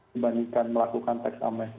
dibandingkan melakukan tax amnesty